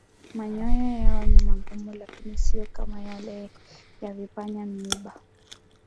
Manyoya yao ni magumu lakini siyo kama yale ya vipanya-miiba.